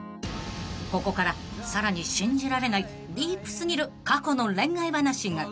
［ここからさらに信じられないディープ過ぎる過去の恋愛話が］